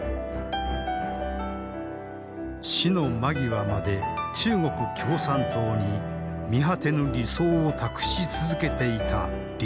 死の間際まで中国共産党に見果てぬ理想を託し続けていた李鋭。